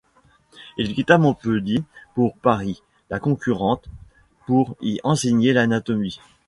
Il quitta Montpellier pour Paris, la concurrente, pour y enseigner l’anatomie.